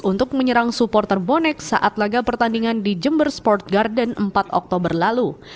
untuk menyerang supporter bonek saat laga pertandingan di jember sport garden empat oktober lalu